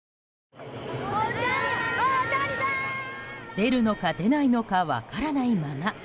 出るのか、出ないのか分からないまま。